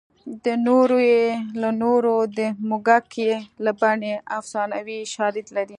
د نورو یې له نورو د موږک یې له بنۍ افسانوي شالید لري